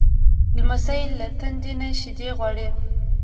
لمسی له تندې نه شیدې غواړي.